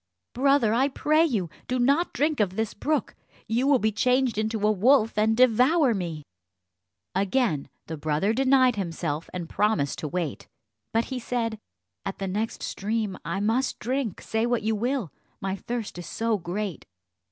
"Brother, I pray you, do not drink of this brook; you will be changed into a wolf, and devour me." Again the brother denied himself and promised to wait; but he said, "At the next stream I must drink, say what you will, my thirst is so great."